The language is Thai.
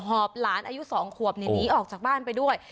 หอบหลานอายุ๒ขวบหนีออกจากบ้านไปด้วย